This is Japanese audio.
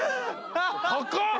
高っ。